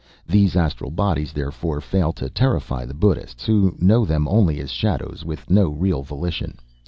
These astral bodies, therefore, fail to terrify the Buddhists, who know them only as shadows, with no real volition.